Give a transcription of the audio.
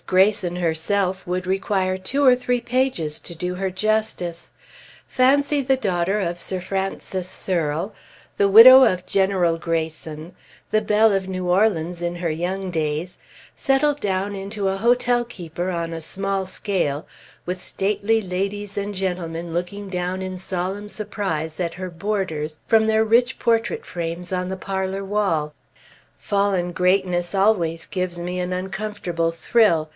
Greyson herself would require two or three pages to do her justice. Fancy the daughter of Sir Francis Searle, the widow of General Greyson, the belle of New Orleans in her young days, settled down into a hotel keeper on a small scale, with stately ladies and gentlemen looking down in solemn surprise at her boarders from their rich portrait frames on the parlor wall! Fallen greatness always gives me an uncomfortable thrill.